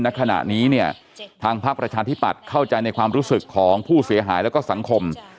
ณขณะนี้เนี่ยทางพักประชาธิปัตย์เข้าใจในความรู้สึกของผู้เสียหายแล้วก็สังคม